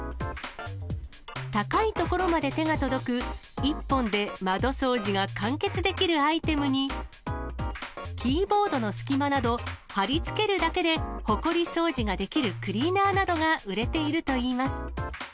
高い所まで手が届く、１本で窓掃除が完結できるアイテムに、キーボードの隙間など、貼り付けるだけでほこり掃除ができるクリーナーなどが売れているといいます。